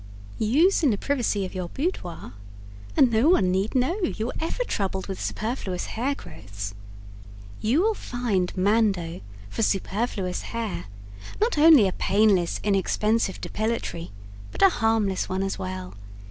USE IN THE PRIVACY OF YOUR BOUDOIR And no one need know that you were ever troubled with superfluous hair growths. You will find MANDO FOR SUPERFLUOUS HAIR not only a painless, inexpensive depilatory, but a harmless one as well.